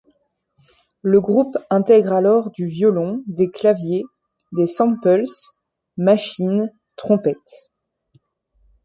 Le groupe intègre alors du violon, des claviers, des samples, machines, trompette.